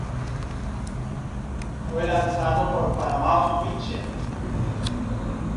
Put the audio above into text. Fue lanzado por Paramount Pictures.